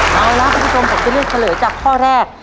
แล้วล่ะคุณผู้ชมผมจะเรียกกันเลยจากข้อแรก